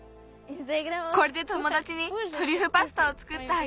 これでともだちにトリュフパスタをつくってあげられる。